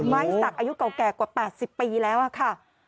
ไม้สักอายุเก่าแก่กว่า๘๐ปีแล้วค่ะ